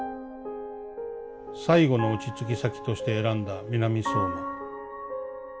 最後の落ち着き先として選んだ南相馬。